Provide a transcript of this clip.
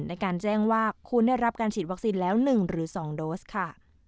ในการแจ้งว่าคุณได้รับการฉีดวัคซีนแล้ว๑หรือ๒โดสค่ะ